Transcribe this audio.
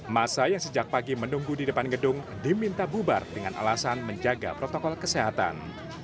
masa yang sejak pagi menunggu di depan gedung diminta bubar dengan alasan menjaga protokol kesehatan